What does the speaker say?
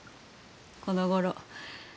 このごろ